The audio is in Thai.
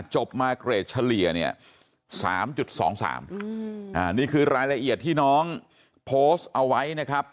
จบมาเกรดเฉลี่ยเนี่ย๓๒๓นี่คือรายละเอียดที่น้องโพสต์เอาไว้นะครับ